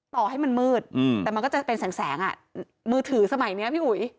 ต่อให้มันมืดแต่มันก็จะเป็นแสงอ่ะมือถือสมัยนี้พี่อุ๋ย